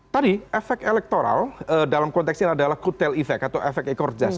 tadi efek elektoral dalam konteks ini adalah good tale effect atau efek ekor jazz